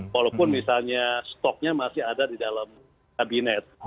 walaupun misalnya stoknya masih ada di dalam kabinet